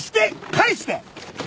返して！